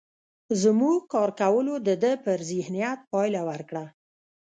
زموږ کار کولو د ده پر ذهنيت پايله ورکړه.